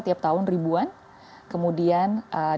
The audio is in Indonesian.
tiap tahun ribuan kemudian